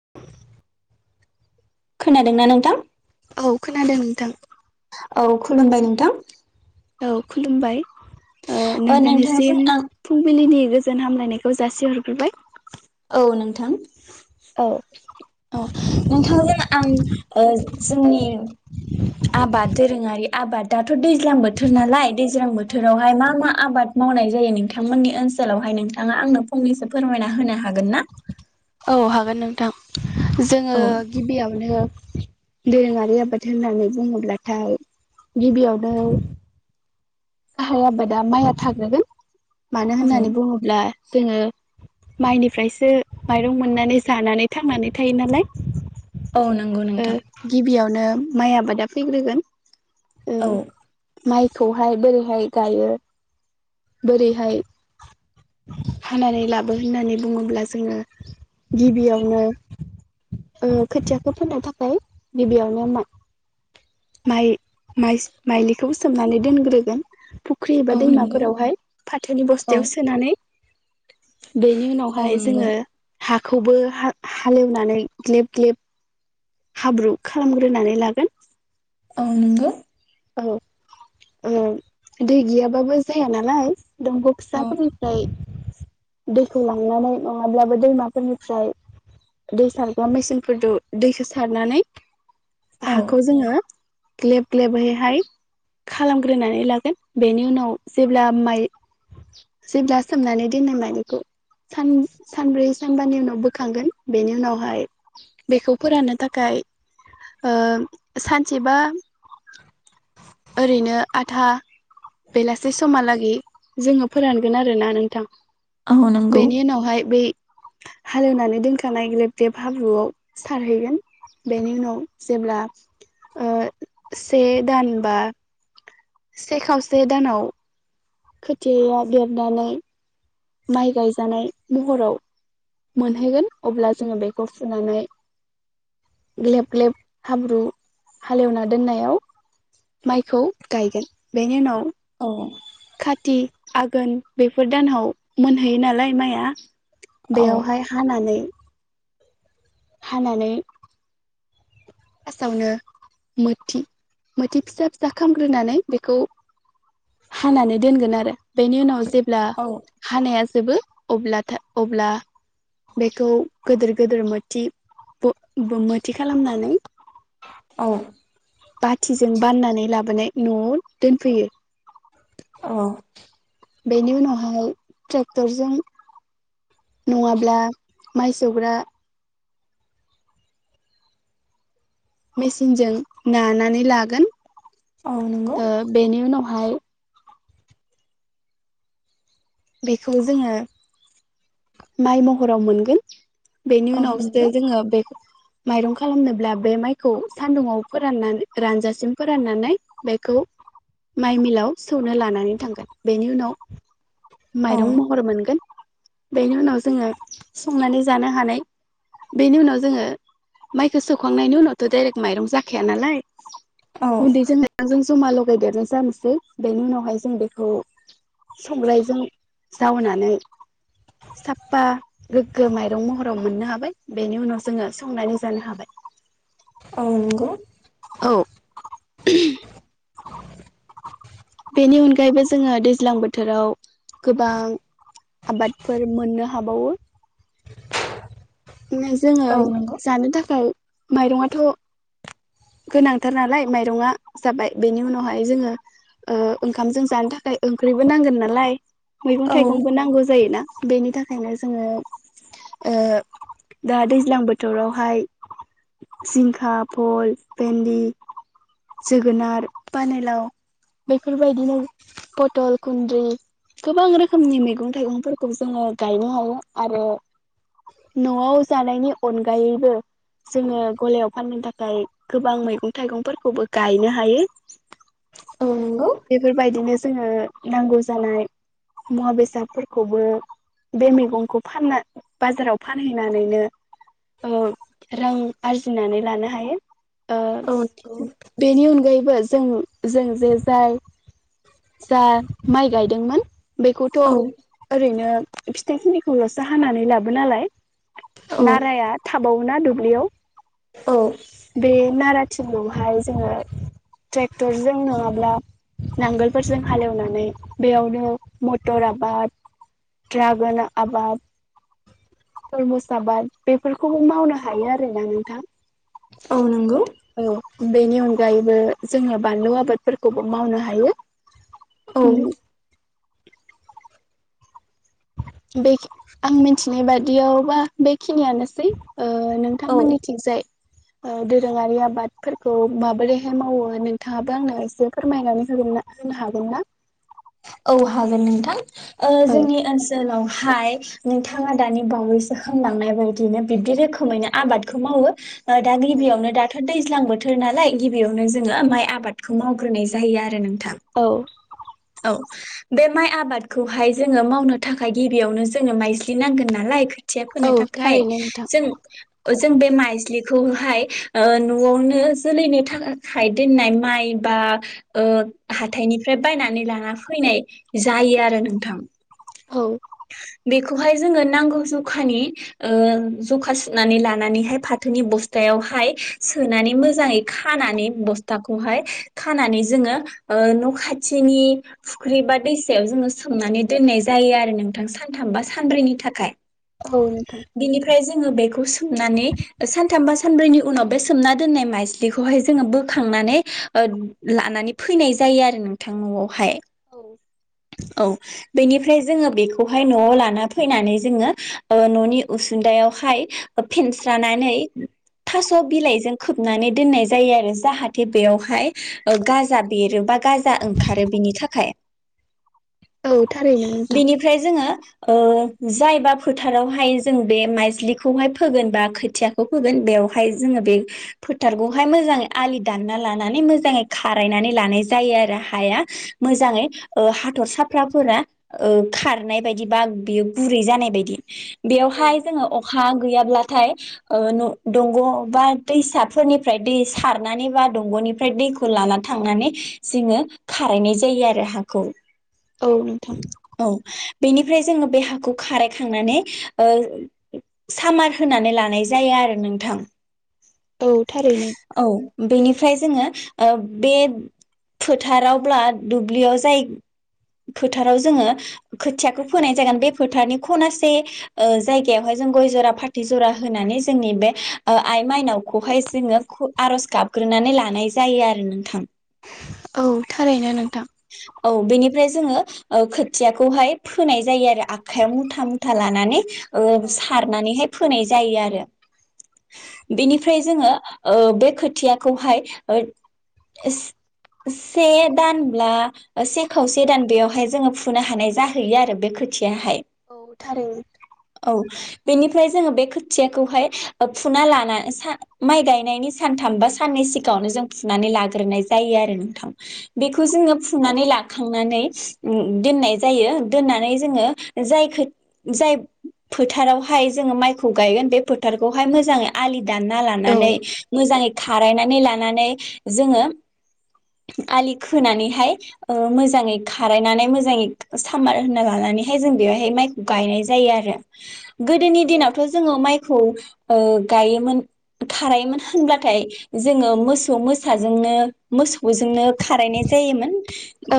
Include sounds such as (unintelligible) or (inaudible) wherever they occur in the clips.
(unintelligible) खोनादोंना नोंथां? औ खोनादों नोंथां। औ खुलुमबाय नोंथां। औ खुलुमबाय। ओ नोंथांजों नोंथांनिसिम आं फुंबिलिनि गोजोन हामलायनाय खो जासि हरबोग्रोबाय। थां ओ नोंथां जों आं ओ जोंनि आबाद दोरोङारि आबाद दाथ' दैज्लां बोथोर नालाय दैज्लां बोथोरावहाय मा मा आबाद मावनाय जायो नोंथांमोननि ओनसोलावहाय नोंथाङा आंनो फंनैसो फोरमायना होनो हागोन ना? औ हागोन नोंथां। जोङो औ गिबियावनो दोरोङारि आबाद होननानै बुङोब्लाथाय गिबियावनो आहाय आबादा माइआ थाग्रोगोन । मानो बुं होननानै बुङोब्ला जोङो माइनिफ्रायसो माइरं मोननानै जानानै थांनानै थायो नालाय औ नंगौ ओ नोंथां गिबियावनो माइ आबादा फैग्रोगोन । औ। माइखौहाय बोरै हाय गायो बोरैहाय हानानै लाबो होननानै बुङोब्ला जोङो गिबियावनो ओ खोथियाखो फोनो थाखाय गिबियावनो मा माइ-माइस-माइलिखौ सोमनानै दोनग्रोगोन फु ख्रि एबा औ नंगौ दैमाफोरावहाय फाथोनि औ बस्थायाव सोनानै बेनि औ उनावहाय नंगौ जोङो हा खौबो हा-हालेवनानै ग्लेब ग्लेब हाब्रु खालामग्रोनानै लागोन । औ नोंगौ । औ औ दै गैयाबाबो जाया नालाय दंग' औ फिसाफोरनिफ्राय दैखौ लांनानै नङाब्लाबो दैमाफोरनिफ्राय दै सारग्रा मेसेनफोरदो दैखो सारनानै औ हाखौ जोङो ग्लेब ग्लेबै हाय खालामग्रोनानै लागोन बेनि उनाव जेब्ला माइ जेब्ला सोमनानै दोननाय माइलिखौ सान-सानब्रै सानबानि उनाव बोखांगोन बेनि उनावहाय बेखौ फोराननो थाखाय ओ सानसेबा ओरैनो आधा बेलासि समालागै जोङो फोरानगोन आरोना नोंथां। औ नंगौ बेनि उनावहाय बै हालेवनानै दोनखानाय ग्लेब ग्लेब हाब्रुआव सारहैगोन बेनि उनाव जेब्ला ओ से दान बा से खावसे दानाव खोथियाया दरनानै माइ गायजानाय महराव मोनहैगोन अब्ला जोङो बेखौ फुनानै ग्लेब ग्लेब हाब्रु हालेवना दोननायाव माइखौ गायगोन बेनि उनाव (unintelligible) काति आगोन बेफोर दानाव मोनहैयो नालाय माइआ औ बेयावहाय हानानै हानानै फासावनो मोथि मोथि फिसा-फिसा खामग्रोनानै बेखौ हानानै दोनगोन आरो बेनि उनाव जे ब्ला औ हानाया जोबो अब्ला था अब्ला बेखौ गोदोर-गोदोर मोथि (unintelligible) मोथि खालामनानै औ । बाथिजों बाननानै लाबोनाय न'आव दोनफैयो । अ (unintelligible) नङाब्ला माइ सौग्रा मेसिनजों नानानै लागोन औ नंगौ ओ बेनि उनावहाय बेखौ जोङो माइ महराव मोनगोन बेनि औ उनावसो नंगौ जोङो बे माइरं खालामनोब्ला बे माइखौ सान्दुङाव औ माइरं महर मोनगोन बेनि उनाव जोङो संनानै जानो हानाय। गुन्दैजों औ माइरंजों जमा लगा गदेरनाय जानोसै बेनि उनावहाय जों बेखौ संग्रायजों जाव साफा गोग्गो माइरं महराव मोननो हाबाय बेनि उनाव जोङो संनानै जानो हाबाय औ नंगौ औ बेनि अनगायैबो जोङो दैज्लां बोथोराव गोबां आबादफोर मोननो हाबावो जोङो औ नंगौ जानो थाखाय माइरंथ' गोनांथार नालाय माइरंङा जाबाय बेनि उनावहाय जोङो ओंखामजों जानो थाखाय ओंख्रिबो नांगोन नालाय मैगं औ थाइगंबो नांगौ जायोना बेनि थाखायनो जोङो ओ दा दैज्लां बोथोरावहाय जिंखा फल भेन्दि जोगोनार पानिलाव बेफोरबायदिनो पथल खुन्द्रि गोबां रोखोमनि मैगं थाइगंफोरखौ जोङो गायनो हायो आरो न'आव जानाय गोबां मैगं थाइगंफोरखौबो गायनो हायो औ नंगौ बेफोरबायदिनो जोङो नांगौ जानाय मुवा बेसादफोरखौबो बे मैगंखौ फानना बाजाराव फानहैनानैनो ओ रां आरजिनानै लानो हायो ओ औ नंगौ बेनि अनगायैबो जोङो जों जे जाय जा माइ गायदोंमोन बेखौथ' औ ओरैनो फिथाइ खुलिखौल'सो हानानै लाबोनालाय औ नाराया थाबावोना दुब्लियाव औ बे नाराथिंखौहाय जोङो ट्रेक्टरजों नङाब्ला नांगोलफोरजों हालेवनानै बेयावनो मटर आबाद ड्रागन आबाद तुरमुस आबाद बेफोरखौबो मावनो हायो आरोना नोंथां औ नंगौ औ बेनि अनगायैबो जोङो बानलु आबादफोरखौबो मावनो हायो औ उम (inaudible) बे खि आं मिथिनाय बादियावबा बेखिनियानोसै ओ औ नोंथांमोननि थिंजाय ओ दोरोङारि आबादफोरखौ माबोरैहाय मावो नोंथाङाबो आंनो एसे फोरमायनानै होगोन होनो हागोन ना? औ हागोन नोंथां ओ औ जोंनि ओनसोलावहाय नोंथाङा दानि बावैसो होनलांनाय बायदिनो बिब्दि रोखोमैनो आबादखौ मावो। ओ दा गिबियावनो दाथ' दैज्लां बोथो थोर नालाय गिबियावनो जोङो माइ आबादखौ मावग्रोनाय जायो आरो नोंथां औ औ बे माइ आबादखौहाय जोङो मावनो थाखाय गिबियावनो जोंनो माइज्लि नांगोन नालाय खोथिया औ फोनो थाखाय थारैनो नोंथां जों ओ जों बे माइज्लिखौहाय ओ न'आवनो जोलैनो थाखाय दोननाय माइ बा ओ हाथायनिफ्राय बायनानै लाना फैनाय जायो आरो नोंथां औ बेखौहाय जोङो नांगौ जखानि ओ जखा सुनानै लानानैहाय फाथोनि बस्थायावहाय सोनानै मोजाङै खानानै बस्थाखौहाय खानानै जोङो ओ न' खाथिनि फुख्रि बा दैसायाव जोङो सोमनानै दोननाय जायो आरो नों थां सानथाम बा सानब्रैनि थाखाय औ नोंथां बिनिफ्राय जोङो बेखौ सोमनानै ओ सानथाम बा सानब्रैनि उनाव बे सोमना दोननाय माइज्लिखौहाय जोङो बोखांनानै ओद लानानै फैनाय जायो आरो नोंथां न'आवहाय औ औ बेनिफ्राय जोङो बेखौहाय न'आव लाना फैनानै जोङो ओ न'नि उसुन्दायावहाय ओ फेनस्रानानै थास' बिलाइजों खोबनानै दोननाय जायो आरो जाहाथे बेयावहाय ओ गाजा बेरो बा गाजा ओंखारो बिनि थाखाय औ थारैनो नोंथां बेनिफ्राय जोङो ओ जायबा फोथारावहाय जों बे माइस्लिखौहाय फोगोन बा खोथियाखौ फोगोन बेवहाय जोङो बे फोथारखौहाय मोजाङै आलि दानना लानानै मोजाङै खारायनानै लानाय जायो आरो हाया मोजाङै ओ हाथरसाफ्राफोरा ओ खारनाय बायदि बा बियो गुरै जानाय बायदि बेवहाय जोङो अखा हा गैयाब्लाथाय ओ न' दंग' बा दैसाफोरनिफ्राय दै सारनानै बा दंग'निफ्राय दैखौ लाना थांनानै जोङो खारायनाय जायो आरो हा खौ औ नोंथां औ बेनि ओमफ्राय जोङो बे हाखौ खाराय खांनानै ओ सामार होनानै लानाय जायो आरो नोंथां। औ थारैनो औ बेनिफ्राय जोङो बे फोथारावब्ला दुब्लियाव जाय फोथाराव जोङो खोथियाखौ फोनाय जागोन बे फोथारनि खनासे ओ जायगायावहाय जों गय जरा फाथै जरा होनानै जोंनि बे ओ आइ माइनावखौहाय जोङो ख आर'ज गाबग्रोनानै लानाय जायो आरो नोंथां। औ थारैनो नोंथां। औ बेनिफ्राय जोङो ओ खोथियाखौहाय फोनाय जायो आरो आखायाव मुथा मुथा लानानै। ओ सारनानैहाय फोनाय जायो आरो बेनिफ्राय जोङो ओ बे खोथियाखौहाय ओ एस से दानब्ला से खावसे दान बेयावहाय जोङो फुनो हानाय जाहैयो आरो बे खोथियाहाय। औ थारैनो औ बेनिफ्राय जोङो बे खोथियाखौहाय ओब फुना लाना माइ गायनायनि सानथाम बा साननै सिगाङावनो जों फुनानै लाग्रोनाय जायो आरो नोंथां बेखौ जोङो फुनानै लाखांनानै उम दोननाय जायो दोननानै जोङो जाय खो जाय फोथारावहाय जोङो माइखौ गायगोन बे फोथारखौहाय मोजाङै आलि दानना औ लानानै मोजाङै खारायनानै नानै लानानै जोङो आलि खोनानैहाय ओ मोजाङै खारायनानै मोजाङै सामार होनना लानानैहाय जों बेवहाय माइखौ गायनाय जायो आरो। गोदोनि दिनावथ' जोङो माइखौ ओ गायोमोन खारायोमोन होनब्लाथाय जोङो मोसौ मोसाजोंनो मोसौजोंनो खारायनाय जायोमोन।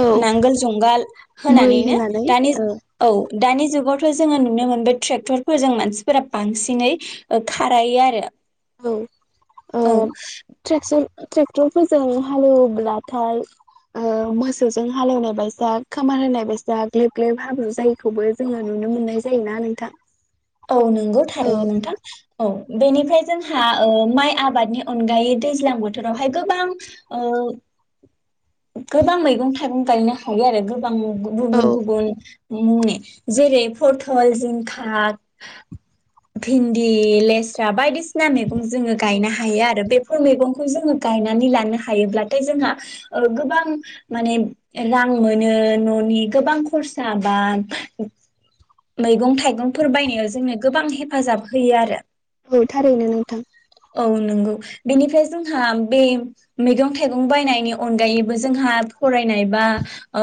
औ नांगोल जुंगाल मै होनानैनो होनानै दानि औ दानि जुगाव जोङो नुनो मोनबाय ट्रेक्टरफोरजों मानसिफोरा बांसिनै ओ खारायो आरो। औ औ ओ ट्रेक्सन ट्रेक्टरफोरजों हालेवब्लाथाय ओ मोसौजों हालेवनाय बायसा खामार होनाय बायसा ग्लेब ग्लेब हाब्रु जायैखौबो जोङो नुनो मोननाय जायोना नोंथां? औ नंगौ औ थारैनो नोंथां औ। बेनिफ्राय जोंहा ओ माइ आबादनि अनगायै दैज्लां बोथोरावहाय गोबां ओ गोबां मैगं थाइगं गायनो हायो आरो गोब गोबां औ गुबुन गुबुन मुंनि। जेरै फथल जिंखा भिन्दि लेस्रा बायदिसिना मैगं जोङो गायनो हायो आरो बे फोर मैगंखौ जोङो गायनानै लानो हायोब्लाथाय जोंहा ओ गोबां माने रां मोनो न'नि गोबां खरसा बा मैगं थाइगंफोर बायनाय जोंनो गोबां हेफाजाब होयो आरो। औ थारैनो नोंथां। औ नंगौ बेनिफ्राय जोंहा बे मैगं थाइगं बायनायनि अनगायैबो जोंहा फरायनाय बा ओ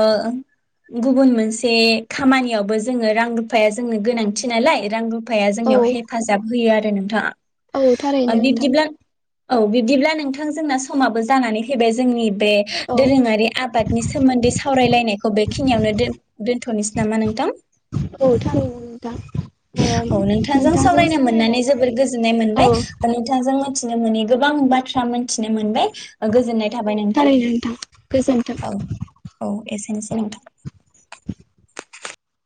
गुबुन मोनसे खामानियावबो जोङो रां रुफाया जोंनो गोनांथि नालाय रां रु फाया औ जोंनियाव हेफाजाब होयो आरो नों थांआ औ। थारैनो नोंथां। औ बिब्दिब्ला नोंथां जोंना समाबो जानानै फैबाय जोंनि बे औ दोरोङारि आबादनि सोमोन्दै सावरायलायनायखौ बेखिनियावनो दोन दोन्थ'नोसै नामा नोंथां? औ थारैनो नोंथां ओ औ नोंथांजों सावरायनो मोननानै जोबोर गोजोननाय औ मोनबाय नोंथांजों मिथिनो मोनै गोबां बाथ्रा मोनथिनो मोनबाय। गोजोननाय थाबाय औ नोंथां थारैनो नोंथां गोजोन्थों औ औ एसेनोसै। औ नोंथां। (inaudible)